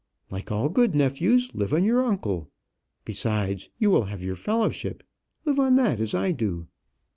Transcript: "Like all good nephews, live on your uncle. Besides, you will have your fellowship; live on that, as I do."